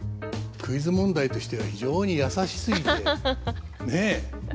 クイズ問題としては非常に易しすぎてねえ。